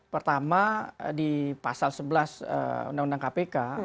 pertama di pasal sebelas undang undang kpk